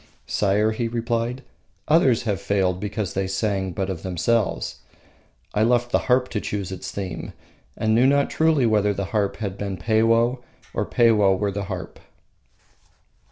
"Sire," he replied, "others have failed because they sang but of themselves. I left the harp to choose its theme, and knew not truly whether the harp had been Peiwoh or Peiwoh were the harp."